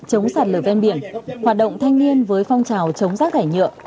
chống sạt lở ven biển hoạt động thanh niên với phong trào chống rác thải nhựa